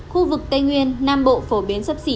khu vực tây nguyên nam bộ phổ biến sấp xỉ